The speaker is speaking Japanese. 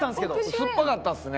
酸っぱかったですね